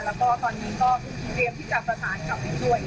แล้วก็ตอนนี้ก็พรุ่งที่เตรียมที่จับประสานกับพี่หน่วย